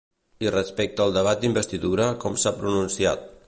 I respecte al debat d'investidura, com s'ha pronunciat?